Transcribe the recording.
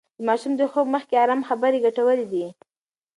د ماشوم د خوب مخکې ارام خبرې ګټورې دي.